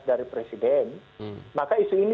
dari presiden maka isu ini